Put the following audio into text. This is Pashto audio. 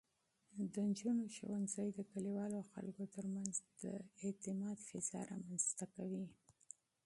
د نجونو ښوونځی د کلیوالو خلکو ترمنځ د اعتماد فضا رامینځته کوي.